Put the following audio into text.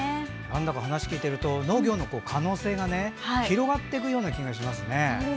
話を聞いてると農業の可能性が広がっていくような気がしますね。